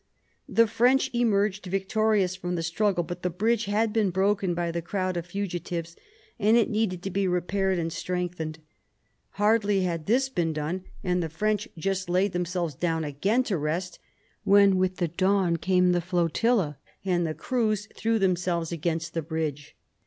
The French emerged victorious from the struggle, but the bridge had been broken by the crowd of fugitives, and it needed to be repaired and strengthened. Hardly had this been done and the French just laid in THE FALL OF THE ANGEYINS 75 themselves down again to rest, when with the dawn came the flotilla, and the crews threw themselves against the bridge.